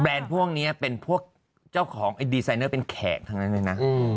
พวกนี้เป็นพวกเจ้าของดีไซเนอร์เป็นแขกทั้งนั้นเลยนะ